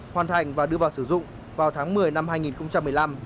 hoàn thành và đưa vào sử dụng vào tháng một mươi năm hai nghìn một mươi năm